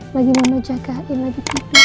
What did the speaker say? lagi mama jagain lagi kita